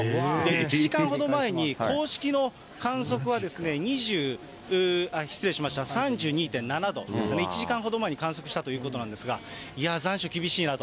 １時間ほど前に公式の観測は失礼しました、３２．７度ですかね、１時間ほど前に観測したということなんですが、残暑厳しいなと。